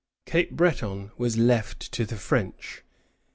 Cape Breton was left to the French.